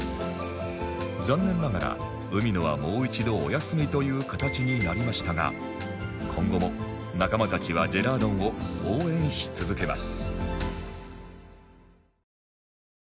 残念ながら海野はもう一度お休みという形になりましたが今後も仲間たちはジェラードンを応援し続けます